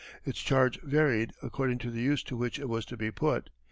Its charge varied according to the use to which it was to be put.